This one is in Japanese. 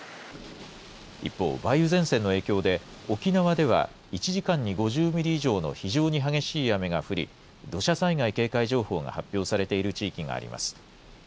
一方、梅雨前線の影響で、沖縄では１時間に５０ミリ以上の非常に激しい雨が降り、土砂災害警戒情報が発表されている地域があります。